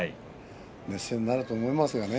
熱戦になると思いますがね。